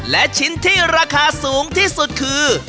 และชิ้นที่ราคาสูงที่สุดคือ